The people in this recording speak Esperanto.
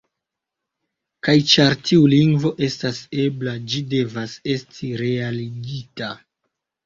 Kaj ĉar tiu lingvo estas ebla, ĝi devas esti realigita.